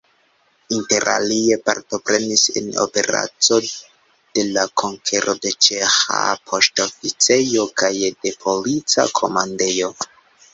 Interalie partoprenis en operaco de la konkero de Ĉefa Poŝtoficejo kaj de Polica Komandejo.